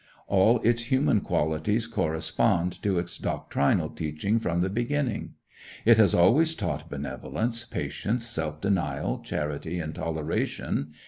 All its human qualities correspond to its doctrinal teaching from the beginning. It has always taught benevolence, patience, self denial, charity, and toleration.